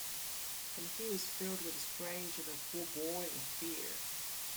And he was filled with a strange and foreboding fear.